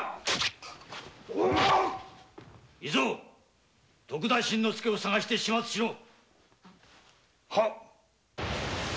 伊蔵徳田新之助を捜して始末しろ！